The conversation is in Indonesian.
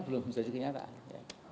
karena belum menjadi kenyataan